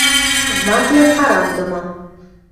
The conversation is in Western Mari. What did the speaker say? знаквлӓм карангдымы